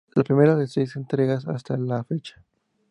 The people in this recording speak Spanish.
La primera de seis entregas hasta la fecha.